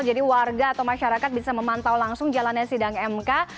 jadi warga atau masyarakat bisa memantau langsung jalannya sidang mk